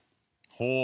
ほう！